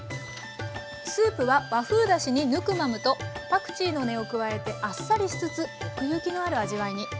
スープは和風だしにヌクマムとパクチーの根を加えてあっさりしつつ奥行きのある味わいに。